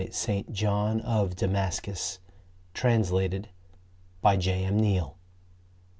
St. John of Damascus. Translated by J. M. NEALE.